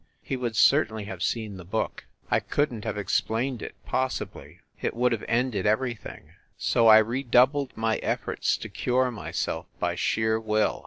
He would certainly have seen the book I couldn t have ex plained it, possibly. It would have ended every thing. So I redoubled my efforts to cure myself by sheer will.